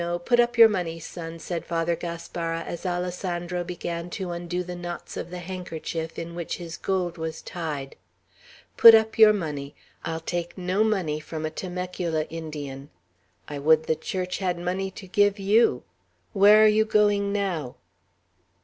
Put up your money, son," said Father Gaspara, as Alessandro began to undo the knots of the handkerchief in which his gold was tied. "Put up your money. I'll take no money from a Temecula Indian. I would the Church had money to give you. Where are you going now?"